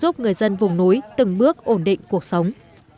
giúp người dân vùng núi từng bước ổn định cuộc sống